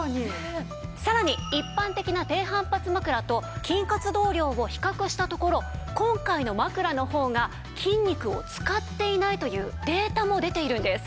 さらに一般的な低反発枕と筋活動量を比較したところ今回の枕の方が筋肉を使っていないというデータも出ているんです。